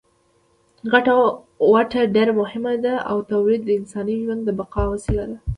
ګټه وټه ډېره مهمه ده او تولید د انساني ژوند د بقا وسیله ده.